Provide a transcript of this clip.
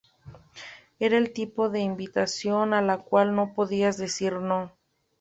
Era el tipo de invitación a la cual no podías decir no.